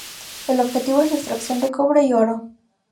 El objetivo es la extracción de cobre y oro.